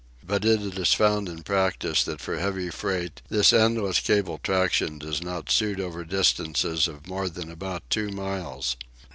But it is found in practice that for heavy freight this endless cable traction does not suit over distances of more than about two miles.